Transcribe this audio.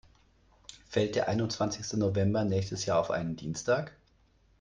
Fällt der einundzwanzigste November nächstes Jahr auf einen Dienstag?